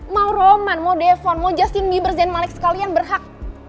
mau roman mau defon mau justin bieber zain malik sekalian berhak